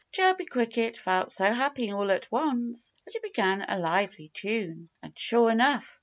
Chirpy Cricket felt so happy all at once that he began a lively tune. And sure enough!